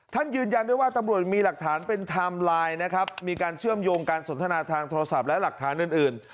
ยืนยันด้วยว่าตำรวจมีหลักฐานเป็นไทม์ไลน์นะครับมีการเชื่อมโยงการสนทนาทางโทรศัพท์และหลักฐานอื่น